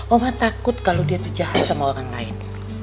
oma takut kalau dia tuh jahat sama orang lain